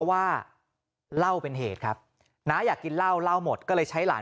ว่าเล่าเป็นเหตุครับน้าอยากกินเหล้าเล่าหมดก็เลยใช้หลาน